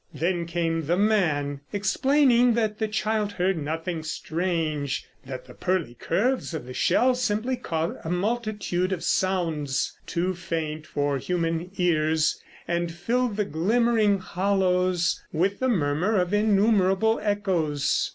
Then came the man, explaining that the child heard nothing strange; that the pearly curves of the shell simply caught a multitude of sounds too faint for human ears, and filled the glimmering hollows with the murmur of innumerable echoes.